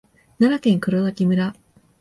奈良県黒滝村